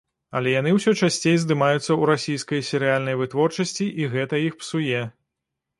Але яны ўсё часцей здымаюцца ў расійскай серыяльнай вытворчасці, і гэта іх псуе.